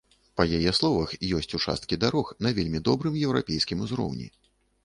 Па яе словах ёсць участкі дарог на вельмі добрым еўрапейскім узроўні.